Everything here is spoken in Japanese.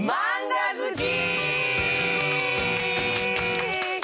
マンガ好き！